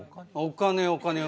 お金。